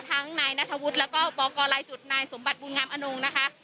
ทั้งนายนัทธวุฒิแล้วก็บกลสมบัติบุญงามอนุงนะคะ